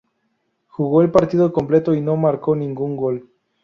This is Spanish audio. Jugó el partido completo y no marcó ningún gol.